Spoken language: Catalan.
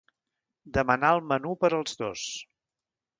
Demanà el menú per als dos.